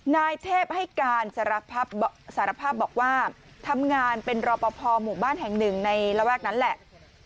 นายเทพให้การสารภาพบอกว่าทำงานเป็นรอปภหมู่บ้านแห่งหนึ่งในระแวกนั้นแหละ